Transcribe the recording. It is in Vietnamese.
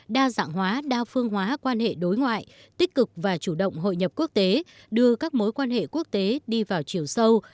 đa dạng hóa đa phương hóa quan hệ đối ngoại tích cực và chủ động hội nhập quốc tế đưa các mối quan hệ quốc tế đi vào chiều sâu